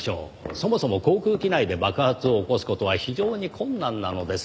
そもそも航空機内で爆発を起こす事は非常に困難なのですよ。